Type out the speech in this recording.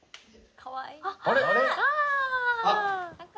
かわいい！